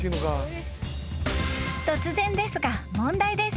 ［突然ですが問題です］